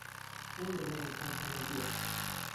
نەمدەزانی تۆم کەنەدییە.